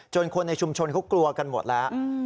คนในชุมชนเขากลัวกันหมดแล้ว